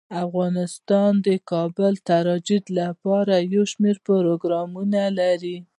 افغانستان د کابل د ترویج لپاره یو شمیر پروګرامونه لري.